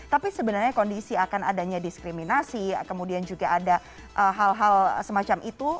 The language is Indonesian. tapi sebenarnya kondisi akan adanya diskriminasi kemudian juga ada hal hal semacam itu